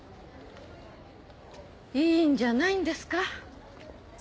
いいんじゃないんですか。